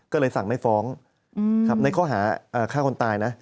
ก็เลยสั่งไม่ฟ้องในข้อหาฆ่าคนตายนะ